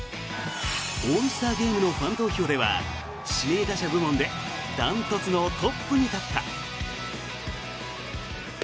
オールスターゲームのファン投票では指名打者部門で断トツのトップに立った。